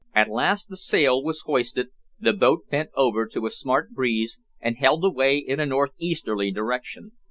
At last the sail was hoisted, the boat bent over to a smart breeze, and held away in a north easterly direction.